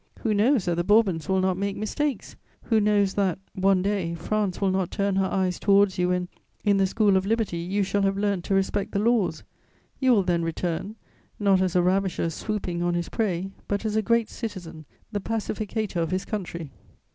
Who knows that the Bourbons will not make mistakes? Who knows that, one day, France will not turn her eyes towards you, when, in the school of liberty, you shall have learnt to respect the laws? You will then return, not as a ravisher swooping on his prey, but as a great citizen, the pacificator of his country!"